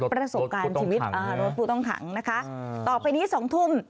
ประสบการณ์ชีวิตรถผู้ต้องขังนะคะต่อไปนี้๒ทุ่ม